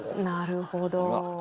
なるほど。